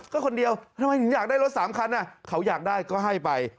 ก็คนเดียวทำไมถึงอยากได้รถ๓คันเขาอยากได้ก็ให้ไป